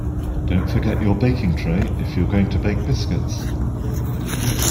Don't forget your baking tray if you're going to bake biscuits